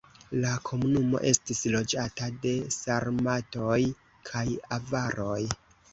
La komunumo estis loĝata de sarmatoj kaj avaroj.